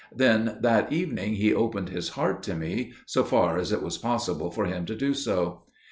Then that evening he opened his heart to me, so far as it was possible for him to do so.